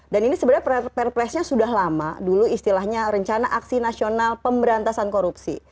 ini sebenarnya perpresnya sudah lama dulu istilahnya rencana aksi nasional pemberantasan korupsi